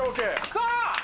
さあ！